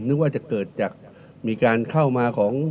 นึกว่าจะเกิดจากมีการเข้ามาของ